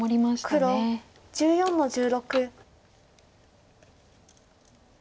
黒１４の十六。